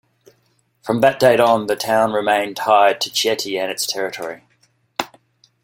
From that date on, the town remained tied to Chieti and its territory.